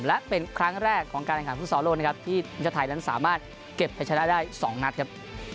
และเป็นครั้งแรกของการแข่งขันฟุตซอลโลกนะครับที่ทีมชาติไทยนั้นสามารถเก็บใช้ชนะได้๒นัดครับ